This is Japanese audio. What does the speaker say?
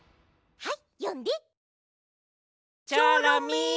はい。